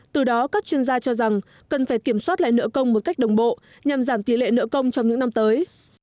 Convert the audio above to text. từ đó các chuyên gia cho rằng cần phải kiểm soát lại nợ công một cách đồng bộ nhằm giảm tỷ lệ nợ công trong những năm tới